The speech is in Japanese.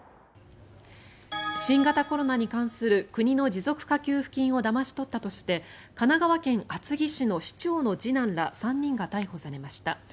新型コロナに関する国の持続化給付金をだまし取ったとして神奈川県厚木市の市長の次男ら３人が逮捕されました。